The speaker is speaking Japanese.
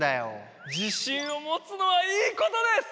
自信をもつのはいいことです！